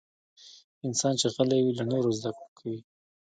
انسان چې غلی وي، له نورو زدکړه کوي.